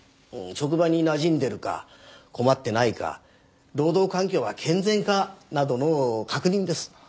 職場になじんでるか困ってないか労働環境は健全かなどの確認です。